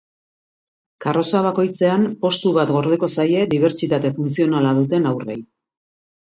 Karroza bakoitzean postu bat gordeko zaie dibertsitate funtzionala duten haurrei.